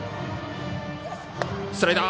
スライダー。